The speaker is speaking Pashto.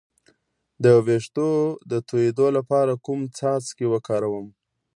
د ویښتو د تویدو لپاره کوم څاڅکي وکاروم؟